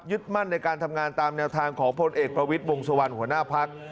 มั่นในการทำงานตามแนวทางของพลเอกประวิทย์วงสุวรรณหัวหน้าพัก